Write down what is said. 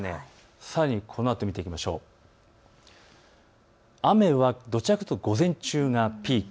さらにこのあと、雨はどちらかというと午前中がピーク。